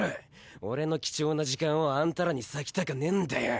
俺の貴重な時間をあんたらに割きたかねんだよ。